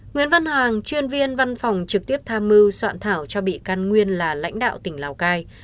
nguyễn văn hoàng chuyên viên văn phòng trực tiếp tham mưu soạn thảo cho bị can nguyên là lãnh đạo tỉnh lào cai